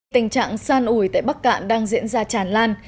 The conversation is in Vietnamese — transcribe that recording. tình trạng san ủi tại bắc cạn đang diễn ra tràn lan